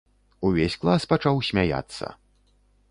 Увесь клас пачаў смяяцца.